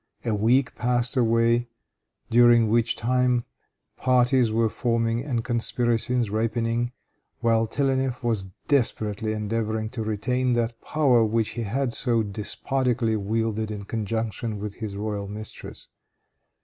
A week passed away, during which time parties were forming and conspiracies ripening, while Telennef was desperately endeavoring to retain that power which he had so despotically wielded in conjunction with his royal mistress.